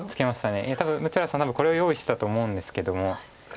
いや多分六浦さんこれを用意してたと思うんですけども。